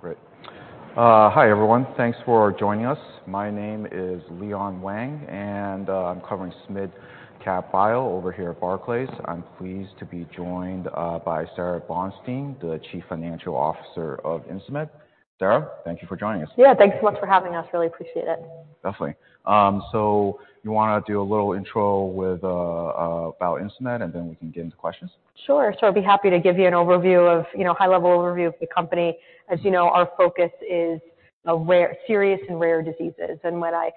Great. Hi, everyone. Thanks for joining us. My name is Leon Wang, and I'm covering mid-cap bio over here at Barclays. I'm pleased to be joined by Sara Bonstein, the Chief Financial Officer of Insmed. Sara, thank you for joining us. Yeah, thanks so much for having us. Really appreciate it. Definitely. You wanna do a little intro with about Insmed, and then we can get into questions? Sure. I'll be happy to give you an overview of, you know, high-level overview of the company. As you know, our focus is serious and rare diseases. When I,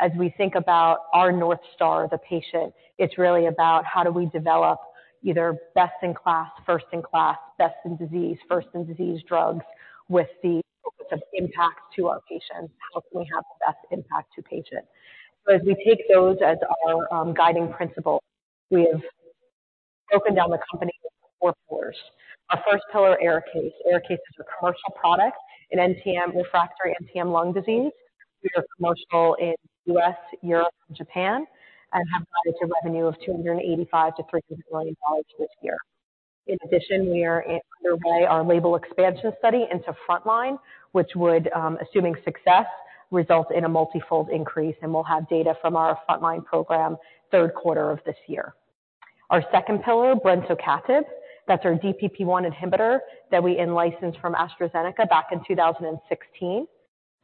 as we think about our North Star, the patient, it's really about how do we develop either best in class, first in class, best in disease, first in disease drugs with the focus of impact to our patients. How can we have the best impact to patients? As we take those as our guiding principle, we have broken down the company into four pillars. Our first pillar, ARIKAYCE. ARIKAYCE is a commercial product in NTM, refractory NTM lung disease. We are commercial in U.S., Europe, and Japan and have guided to revenue of $285 million-$300 million this year. In addition, we are underway our label expansion study into frontline, which would, assuming success, result in a multi-fold increase, and we'll have data from our frontline program third quarter of this year. Our second pillar, brensocatib. That's our DPP1 inhibitor that we in-licensed from AstraZeneca back in 2016.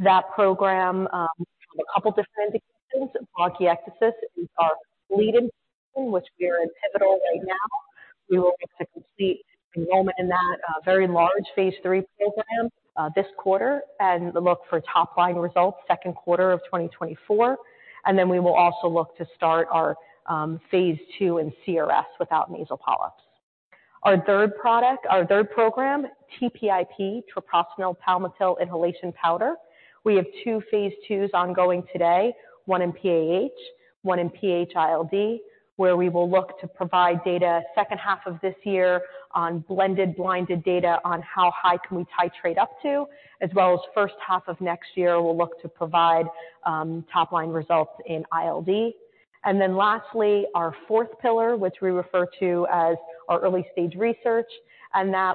That program has a couple different indications. Bronchiectasis is our leading program, which we are in pivotal right now. We will expect to see enrollment in that very large phase III program this quarter and look for top-line results second quarter of 2024. Then we will also look to start our phase II in CRS without nasal polyps. Our third product, our third program, TPIP, treprostinil palmitil inhalation powder. We have two phase IIs ongoing today, one in PAH, one in PH-ILD, where we will look to provide data second half of this year on blended blinded data on how high can we titrate up to. As well as first half of next year, we'll look to provide top-line results in ILD. Lastly, our fourth pillar, which we refer to as our early-stage research,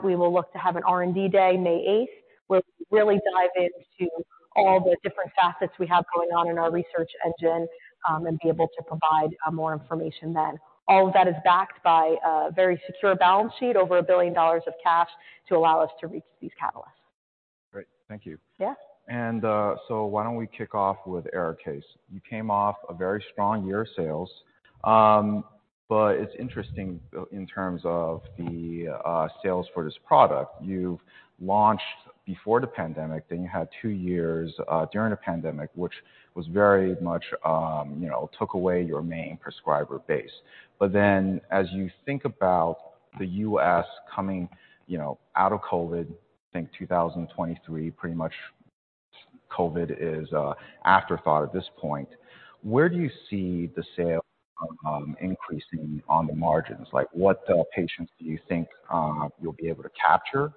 we will look to have an R&D day May 8th, where we really dive into all the different facets we have going on in our research engine and be able to provide more information then. All of that is backed by a very secure balance sheet, over $1 billion of cash to allow us to reach these catalysts. Great. Thank you. Yeah. Why don't we kick off with ARIKAYCE. You came off a very strong year of sales, but it's interesting in terms of the sales for this product. You've launched before the pandemic, then you had two years during the pandemic, which was very much, you know, took away your main prescriber base. As you think about the U.S. coming, you know, out of COVID, I think 2023, pretty much COVID is an afterthought at this point. Where do you see the sale increasing on the margins? Like, what patients do you think you'll be able to capture?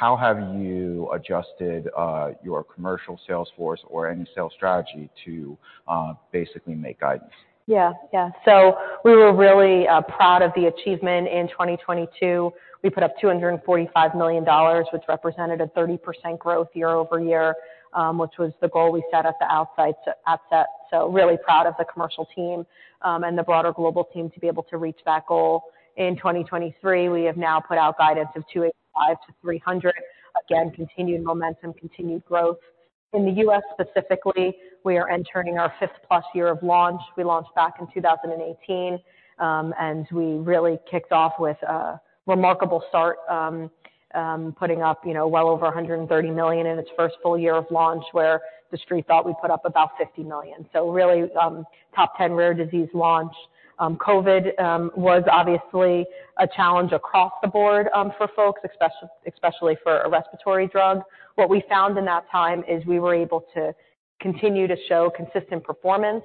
How have you adjusted your commercial sales force or any sales strategy to basically make guidance? Yeah. Yeah. We were really proud of the achievement in 2022. We put up $245 million, which represented a 30% growth year-over-year, which was the goal we set at the outset, so really proud of the commercial team and the broader global team to be able to reach that goal. In 2023, we have now put out guidance of $285 million-$300 million. Continued momentum, continued growth. In the U.S. specifically, we are entering our 5+ year of launch. We launched back in 2018, and we really kicked off with a remarkable start, putting up, you know, well over $130 million in its first full year of launch where the Street thought we'd put up about $50 million. Really, 10 rare disease launch. COVID was obviously a challenge across the board for folks, especially for a respiratory drug. What we found in that time is we were able to continue to show consistent performance,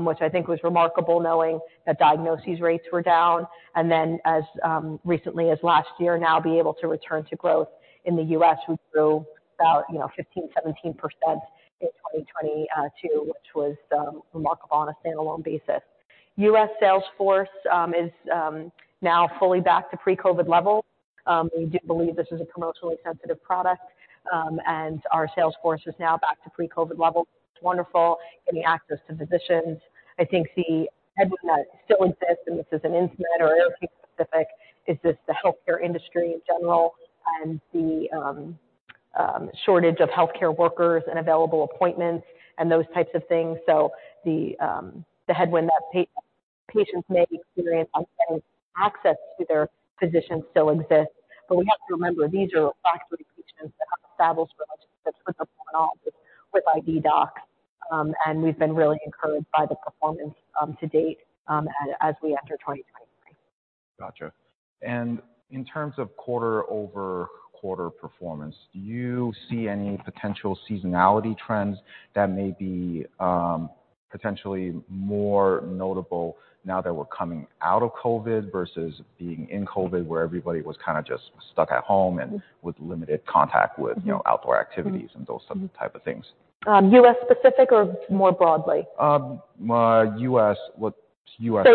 which I think was remarkable knowing that diagnoses rates were down. As recently as last year, now be able to return to growth in the U.S. We grew about, you know, 15%, 17% in 2022, which was remarkable on a standalone basis. U.S. sales force is now fully back to pre-COVID levels. We do believe this is a commercially sensitive product. Our sales force is now back to pre-COVID levels. It's wonderful getting access to physicians. I think the headwind that still exists, this isn't Insmed or ARIKAYCE specific, is just the healthcare industry in general and the shortage of healthcare workers and available appointments and those types of things. The headwind that patients may experience, I'll say access to their physicians still exists. We have to remember, these are refractory patients that have established relationships with ID docs. We've been really encouraged by the performance to date, as we enter 2023. Gotcha. In terms of quarter-over-quarter performance, do you see any potential seasonality trends that may be, potentially more notable now that we're coming out of COVID versus being in COVID where everybody was kind of just stuck at home and with limited contact with, you know, outdoor activities and those type of things? U.S. specific or more broadly? U.S. With U.S.?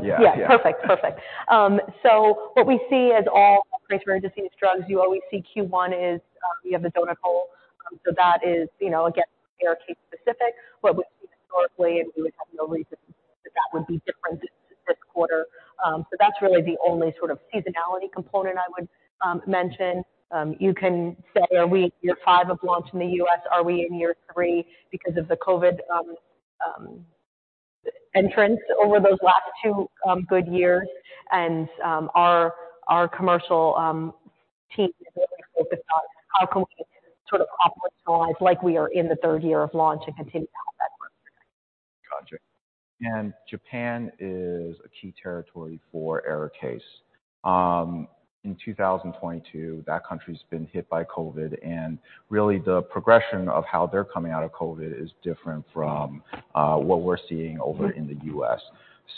Yeah. Yeah. Perfect. Perfect. What we see as all rare disease drugs, you always see Q1 is, we have the donut hole. That is, you know, again, ARIKAYCE specific, what we see historically, and we would have no reason to believe that would be different this quarter. That's really the only sort of seasonality component I would mention. You can say are we year five of launch in the U.S.? Are we in year three because of the COVID entrance over those last two good years? Our commercial team is really focused on how can we sort of operationalize like we are in the third year of launch and continue to have that work. Gotcha. Japan is a key territory for ARIKAYCE. In 2022, that country's been hit by COVID. Really the progression of how they're coming out of COVID is different from what we're seeing over in the U.S.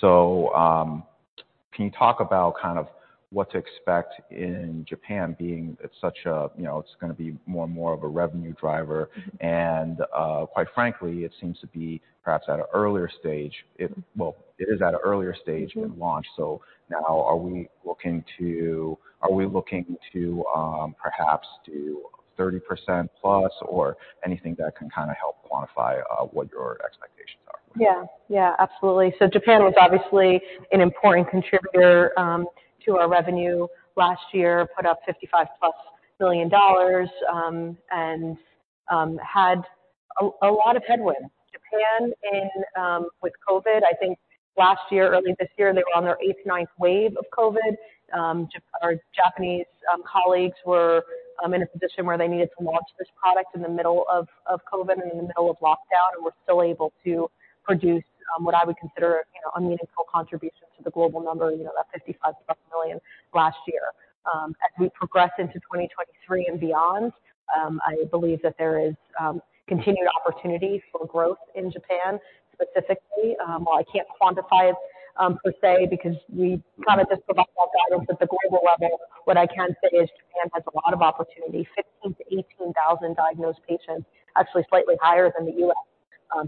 Can you talk about kind of what to expect in Japan being such a, you know, it's gonna be more and more of a revenue driver and quite frankly, it seems to be perhaps at an earlier stage. Well, it is at an earlier stage in launch. Now are we looking to, perhaps do 30%+ or anything that can kind of help quantify what your expectations are? Yeah, yeah. Absolutely. Japan was obviously an important contributor to our revenue last year. Put up $55+ million, and had a lot of headwinds. Japan, with COVID, I think last year, early this year, they were on their eighth wave, ninth wave of COVID. Our Japanese colleagues were in a position where they needed to launch this product in the middle of COVID and in the middle of lockdown, and we're still able to produce, what I would consider, you know, a meaningful contribution to the global number, you know, that $55+ million last year. As we progress into 2023 and beyond, I believe that there is continued opportunity for growth in Japan specifically. While I can't quantify it, per se, because we kind of just provide that guidance at the global level, what I can say is Japan has a lot of opportunity. 15,000-18,000 diagnosed patients, actually slightly higher than the U.S.,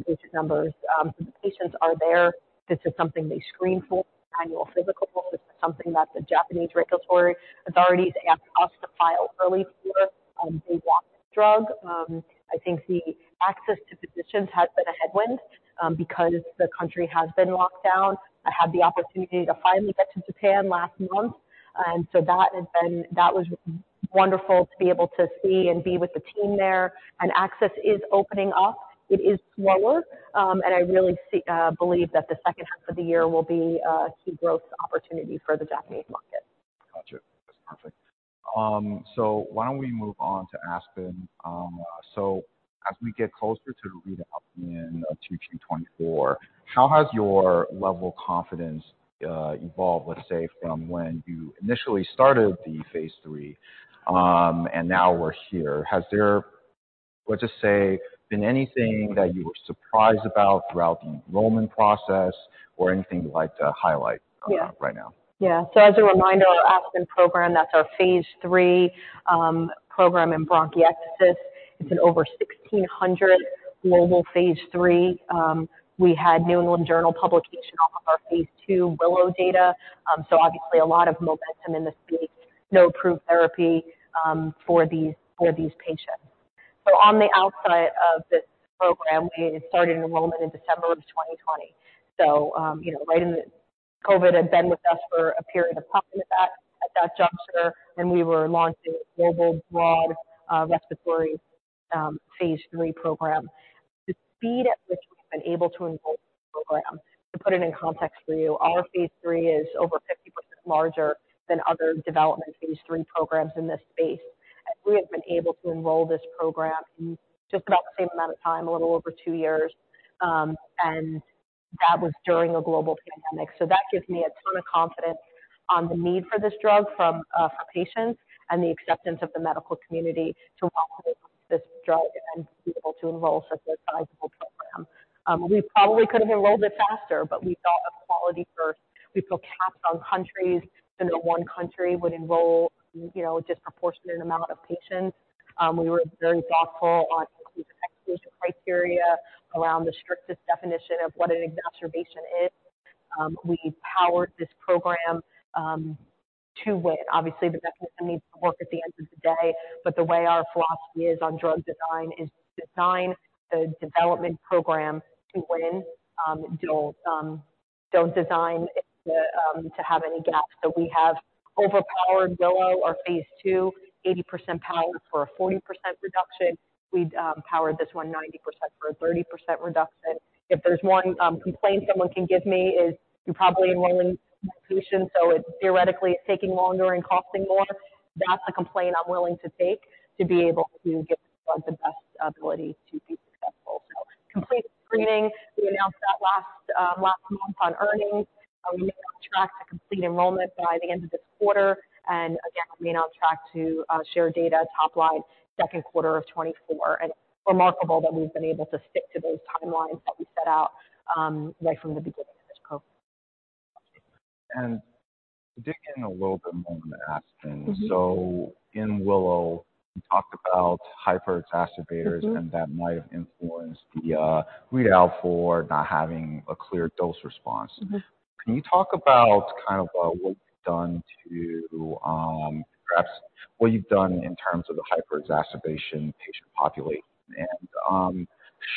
patient numbers. The patients are there. This is something they screen for annual physicals. This is something that the Japanese regulatory authorities asked us to file early for. They want this drug. I think the access to physicians has been a headwind, because the country has been locked down. I had the opportunity to finally get to Japan last month, that was wonderful to be able to see and be with the team there. Access is opening up. It is slower, and I really see, believe that the second half of the year will be a key growth opportunity for the Japanese market. Gotcha. That's perfect. Why don't we move on to ASPEN? As we get closer to read up in 2024, how has your level of confidence evolved, let's say, from when you initially started the phase III, and now we're here? Has there, let's just say, been anything that you were surprised about throughout the enrollment process or anything you'd like to highlight right now? Yeah. As a reminder, our ASPEN program, that's our phase III program in bronchiectasis. It's an over 1,600 global phase III. We had New England Journal publication off of our phase II WILLOW data, so obviously a lot of momentum in the space. No approved therapy for these patients. On the outset of this program, we started enrollment in December of 2020. You know, COVID had been with us for a period of time at that juncture, and we were launching a global broad respiratory phase III program. The speed at which we've been able to enroll this program, to put it in context for you, our phase III is over 50% larger than other development phase III programs in this space. We have been able to enroll this program in just about the same amount of time, a little over two years, and that was during a global pandemic. That gives me a ton of confidence on the need for this drug from for patients and the acceptance of the medical community to welcome this drug and be able to enroll such a sizable program. We probably could have enrolled it faster, but we thought of quality first. We feel capped on countries, so no one country would enroll, you know, a disproportionate amount of patients. We were very thoughtful on the exclusion criteria around the strictest definition of what an exacerbation is. We powered this program to win. Obviously, the mechanism needs to work at the end of the day, but the way our philosophy is on drug design is design the development program to win. Don't design it to have any gaps. We have overpowered WILLOW, our phase II, 80% powered for a 40% reduction. We powered this one 90% for a 30% reduction. If there's one complaint someone can give me is you're probably enrolling more patients, so it's theoretically it's taking longer and costing more. That's a complaint I'm willing to take to be able to give the drug the best ability to be successful. Complete screening. We announced that last month on earnings. We remain on track to complete enrollment by the end of this quarter. We remain on track to share data top line second quarter of 2024. It's remarkable that we've been able to stick to those timelines that we set out right from the beginning of this program. Digging a little bit more into ASPEN. Mm-hmm. In WILLOW, you talked about hyper-exacerbators. Mm-hmm. That might have influenced the readout for not having a clear dose response. Mm-hmm. Can you talk about kind of, what you've done to, perhaps what you've done in terms of the hyper-exacerbation patient population?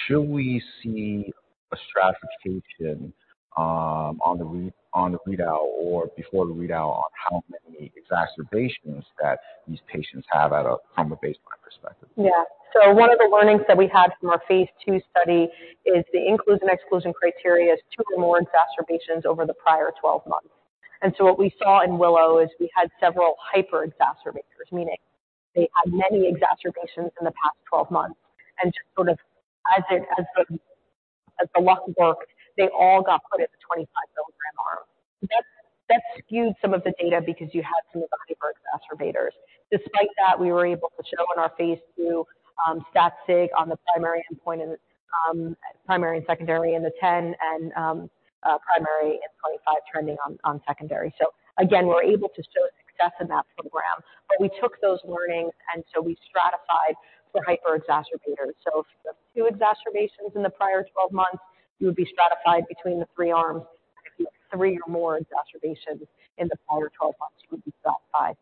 Should we see a stratification, on the readout or before the readout on how many exacerbations that these patients have at a, from a baseline perspective? One of the learnings that we had from our phase II study is the include and exclusion criteria is two or more exacerbations over the prior 12 months. What we saw in WILLOW is we had several hyper-exacerbators, meaning they had many exacerbations in the past 12 months. Sort of as the luck would work, they all got put in the 25 milligram arm. That skewed some of the data because you had some of the hyper-exacerbators. Despite that, we were able to show in our phase II, stat sig on the primary endpoint in the primary and secondary in the 10 and primary and 25 trending on secondary. Again, we're able to show success in that program, but we took those learnings and so we stratified for hyper-exacerbators. If you have two exacerbations in the prior 12 months, you would be stratified between the three arms. If you had three or more exacerbations in the prior 12 months, you would be stratified.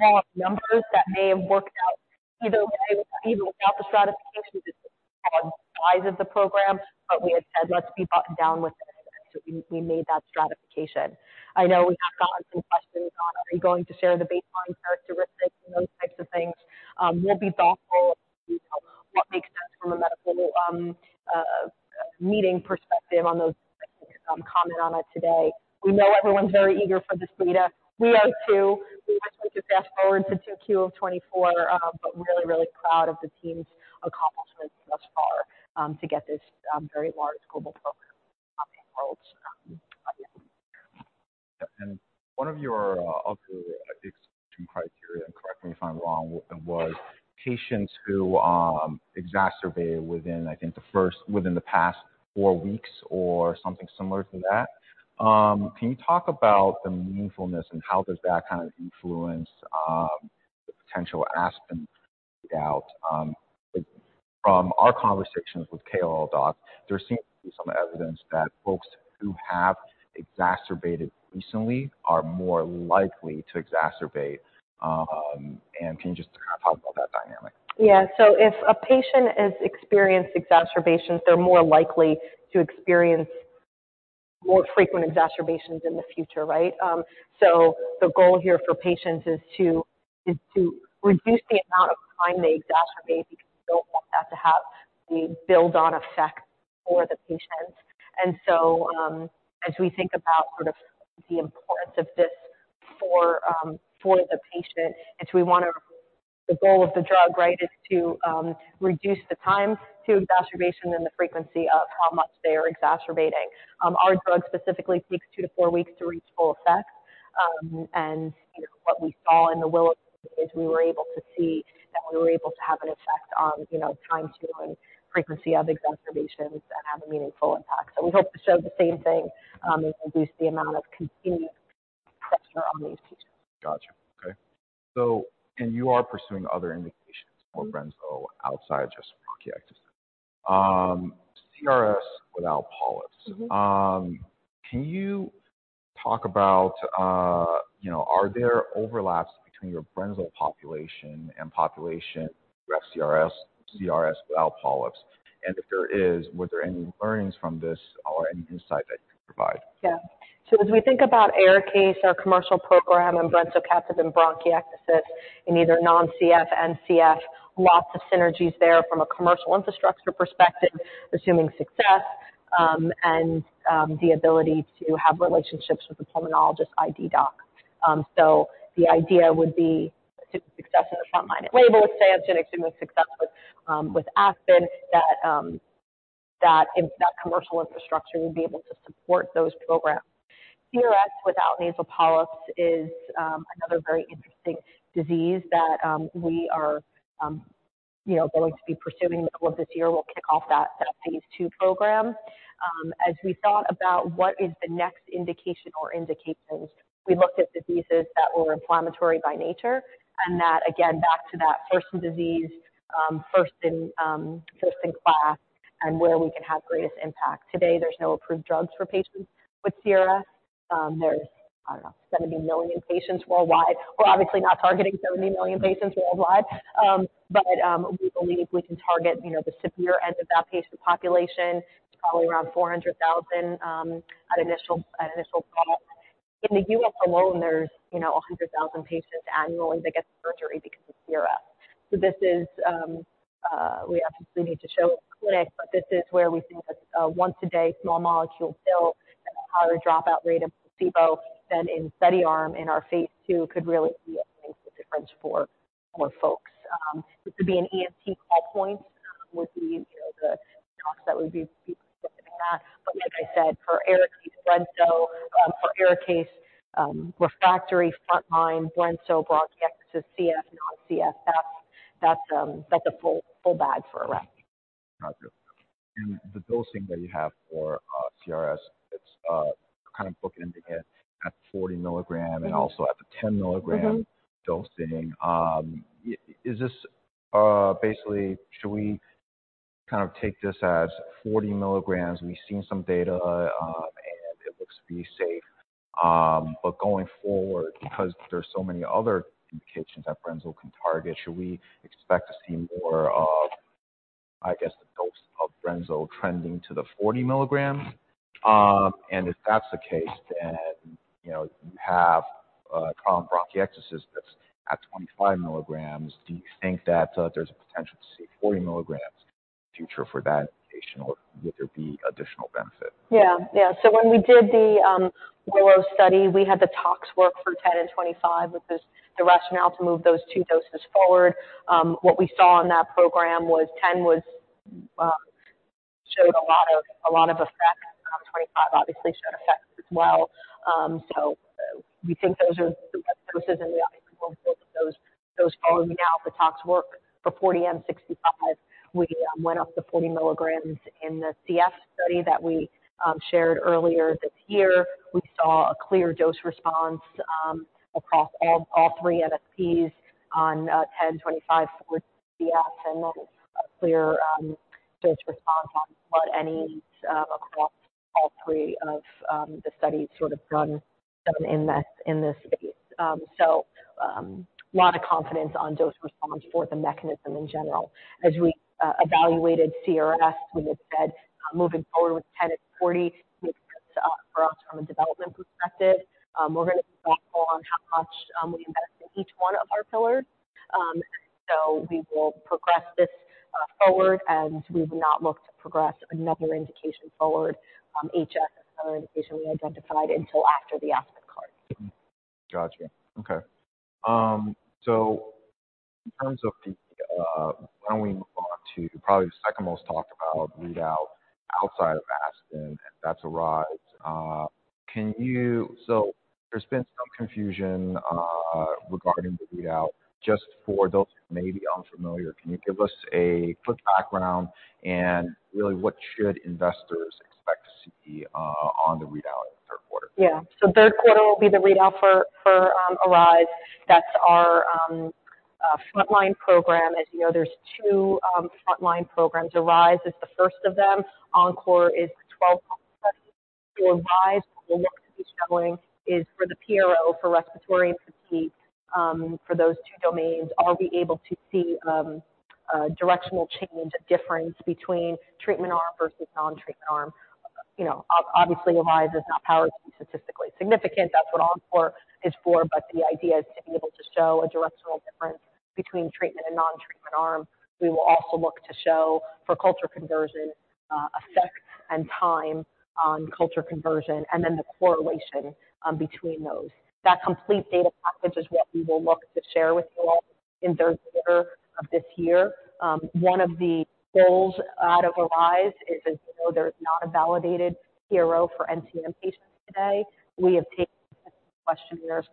Raw numbers that may have worked out either way, even without the stratification, just because of the size of the program. We had said, "Let's be buttoned down with this." We made that stratification. I know we have gotten some questions on, are you going to share the baseline characteristics and those types of things? We'll be thoughtful. What makes sense from a medical, meeting perspective on those things. I'll comment on it today. We know everyone's very eager for this data. We are too. We wish we could fast forward to 2Q of 2024, but really, really proud of the team's accomplishment thus far, to get this very large global program off the shelves by the end of the year. One of your of the exclusion criteria, and correct me if I'm wrong, was patients who exacerbated within the past four weeks or something similar to that. Can you talk about the meaningfulness and how does that kind of influence the potential ASPEN readout? From our conversations with KOLs, there seems to be some evidence that folks who have exacerbated recently are more likely to exacerbate. Can you just kind of talk about that dynamic? Yeah. If a patient has experienced exacerbations, they're more likely to experience more frequent exacerbations in the future, right? The goal here for patients is to reduce the amount of time they exacerbate because we don't want that to have the build on effect for the patients. The goal of the drug, right, is to reduce the time to exacerbation and the frequency of how much they are exacerbating. Our drug specifically takes two to four weeks to reach full effect. And, you know, what we saw in the WILLOW is we were able to see that we were able to have an effect on, you know, time to and frequency of exacerbations and have a meaningful impact. We hope to show the same thing, and reduce the amount of continuous on these patients. Gotcha. Okay. You are pursuing other indications for brenso outside just bronchiectasis. CRS without polyps. Mm-hmm. Can you talk about, you know, are there overlaps between your brenso population and population who have CRS without polyps? If there is, were there any learnings from this or any insight that you can provide? As we think about ARIKAYCE, our commercial program, and brensocatib in bronchiectasis in either non-CF and CF, lots of synergies there from a commercial infrastructure perspective, assuming success, and the ability to have relationships with the pulmonologist ID doc. The idea would be success in the front line label, say, I'm seeing assuming success with Aspen, that commercial infrastructure would be able to support those programs. CRS without nasal polyps is another very interesting disease that we are, you know, going to be pursuing the middle of this year. We'll kick off that phase II program. As we thought about what is the next indication or indications, we looked at diseases that were inflammatory by nature and that again, back to that first in disease, first in class and where we can have greatest impact. Today, there's no approved drugs for patients with CRS. There's, I don't know, 70 million patients worldwide. We're obviously not targeting 70 million patients worldwide. We believe we can target, you know, the severe end of that patient population. It's probably around 400,000 at initial product. In the U.S. alone, there's, you know, 100,000 patients annually that get surgery because of CRS. This is, we obviously need to show clinic, but this is where we think a once a day small molecule pill at a higher dropout rate of placebo than in study arm in our phase two could really be a meaningful difference for folks. This could be an ENT call point, with the, you know, the docs that would be considering that. Like I said, for ARIKAYCE brenso, for ARIKAYCE, refractory frontline brenso bronchiectasis, CF non-CFS, that's a full bag for Aradigm. Gotcha. The dosing that you have for CRS, it's kind of bookending it at 40 milligram and also at the 10 milligram- Mm-hmm. dosing. Is this basically should we kind of take this as 40 milligrams? We've seen some data. It looks to be safe. Going forward, because there's so many other indications that brensocatib can target, should we expect to see more of, I guess, the dose of brensocatib trending to the 40 milligrams? If that's the case, you know, you have chronic bronchiectasis that's at 25 milligrams. Do you think that there's a potential to see 40 milligrams future for that indication, or would there be additional benefit? Yeah. Yeah. When we did the ORA study, we had the tox work for 10 milligrams and 25 milligrams, the rationale to move those two doses forward. What we saw on that program was 10 milligrams was showed a lot of effect. 25 milligrams obviously showed effect as well. We think those are the best doses, and we obviously will move those forward. Now the tox work for 40 milligrams and 65 milligrams, we went up to 40 milligrams in the CF study that we shared earlier this year. We saw a clear dose response across all three NSPs on 10/25 with CF. A clear dose response on blood NE across all three of the studies sort of done in this, in this space. Lot of confidence on dose response for the mechanism in general. As we evaluated CRS, we just said moving forward with 10 milligrams and 40 milligrams makes sense for us from a development perspective. We're gonna be thoughtful on how much we invest in each one of our pillars. We will progress this forward, and we've not looked to progress another indication forward, HS, another indication we identified until after the ASPEN card. Gotcha. Okay. Why don't we move on to probably the second most talked about readout outside of ASPEN, and that's ARISE. There's been some confusion regarding the readout. Just for those who may be unfamiliar, can you give us a quick background and really what should investors expect to see on the readout in third quarter? Yeah. Third quarter will be the readout for ARISE. That's our frontline program. As you know, there's two frontline programs. ARISE is the first of them. ENCORE is the 12+. For ARISE, what we're looking to be showing is for the PRO, for respiratory and fatigue, for those two domains, I'll be able to see directional change difference between treatment arm versus non-treatment arm. You know, obviously, ARISE is not powered to be statistically significant. That's what ENCORE is for. The idea is to be able to show a directional difference between treatment and non-treatment arm. We will also look to show for culture conversion effect and time on culture conversion and then the correlation between those. That complete data package is what we will look to share with you all in third quarter of this year. One of the goals out of ARISE is, as you know, there's not a validated PRO for NTM patients today. We have taken questionnaires,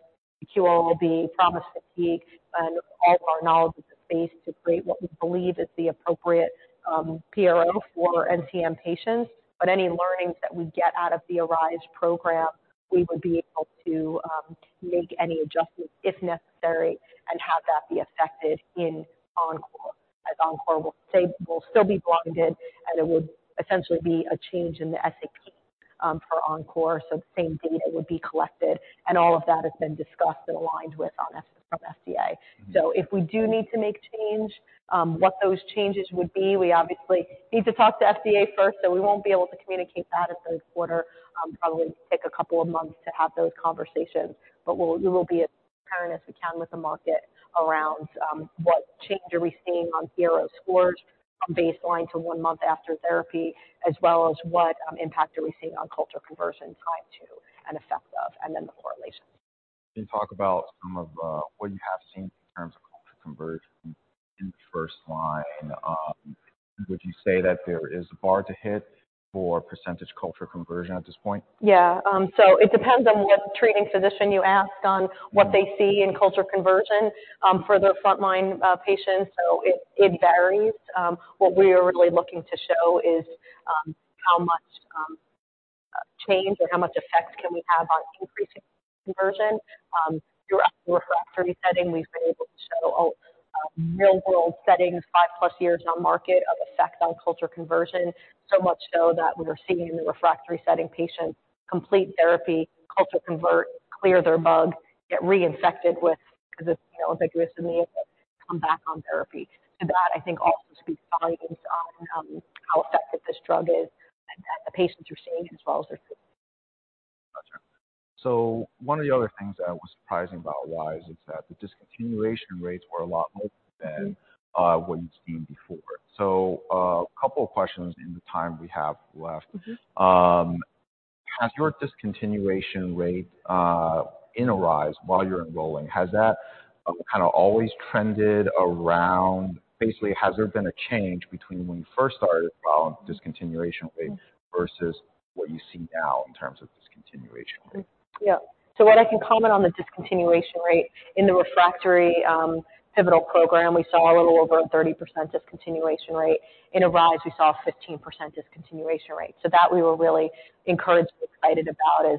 QOL-B, PROMIS Fatigue, and all of our knowledge of the space to create what we believe is the appropriate PRO for NTM patients. Any learnings that we get out of the ARISE program, we would be able to make any adjustments if necessary and have that be affected in ENCORE, as ENCORE will still be blinded, and it would essentially be a change in the SAP for ENCORE. The same data would be collected, and all of that has been discussed and aligned with from FDA. If we do need to make change, what those changes would be, we obviously need to talk to FDA first, so we won't be able to communicate that in third quarter. Probably take a couple of months to have those conversations, but we will be as transparent as we can with the market around, what change are we seeing on PRO scores from baseline to one month after therapy, as well as what impact are we seeing on culture conversion, time to and effect of, and then the correlation. Can you talk about some of what you have seen in terms of culture conversion in first line? Would you say that there is a bar to hit for percentage culture conversion at this point? Yeah. It depends on what treating physician you ask on what they see in culture conversion for their frontline patients. It varies. What we are really looking to show is how much change or how much effect can we have on increasing conversion. Throughout the refractory setting, we've been able to show a real world setting 5+ years now market of effect on culture conversion. Much so that we are seeing in the refractory setting patients complete therapy, culture convert, clear their bug, get reinfected with 'cause it's, you know, ubiquitous in the air, come back on therapy. That I think also speaks volumes on how effective this drug is and that the patients are seeing it as well as their. Gotcha. One of the other things that was surprising about ARISE is that the discontinuation rates were a lot lower than what you'd seen before. A couple of questions in the time we have left. Mm-hmm. Has your discontinuation rate in ARISE while you're enrolling, Basically, has there been a change between when you first started discontinuation rate versus what you see now in terms of discontinuation rate? Yeah. What I can comment on the discontinuation rate, in the refractory pivotal program, we saw a little over a 30% discontinuation rate. In ARISE, we saw a 15% discontinuation rate. That we were really encouraged and excited about is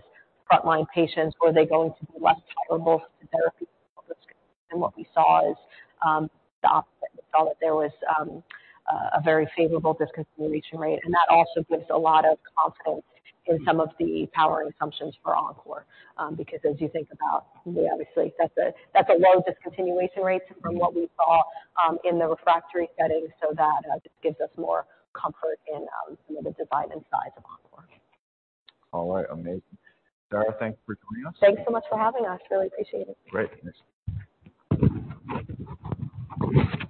frontline patients. Were they going to be less tolerable to therapy? What we saw is the opposite. We saw that there was a very favorable discontinuation rate, and that also gives a lot of confidence in some of the power and assumptions for ENCORE. Because as you think about, you know, obviously that's a low discontinuation rate from what we saw in the refractory setting. That just gives us more comfort in, you know, the design and size of ENCORE. All right. Amazing. Sara, thanks for joining us. Thanks so much for having us. Really appreciate it. Great. Thanks.